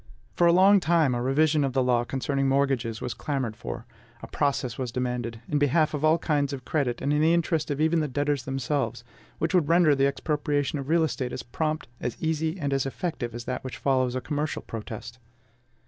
For a long time, a revision of the law concerning mortgages was clamored for; a process was demanded, in behalf of all kinds of credit and in the interest of even the debtors themselves, which would render the expropriation of real estate as prompt, as easy, and as effective as that which follows a commercial protest.